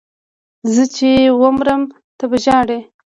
زه چې ومرم ته به ژاړې